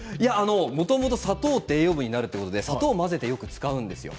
もともと砂糖は栄養分になるということで砂糖を混ぜて使うんですよ。